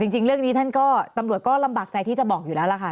จริงเรื่องนี้ท่านก็ตำรวจก็ลำบากใจที่จะบอกอยู่แล้วล่ะค่ะ